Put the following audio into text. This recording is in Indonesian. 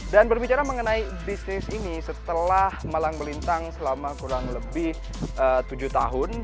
dan berbicara mengenai bisnis ini setelah malang belintang selama kurang lebih tujuh tahun